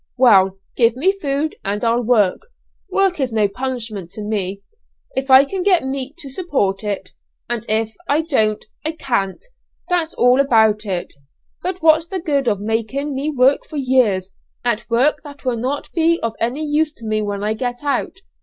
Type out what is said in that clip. Well, give me food and I'll work; work is no punishment to me, if I can get meat to support it, and if I don't I can't, that's all about it. But what's the good of making me work for years, at work that will not be of any use to me when I get out?